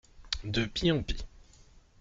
De pis en pis.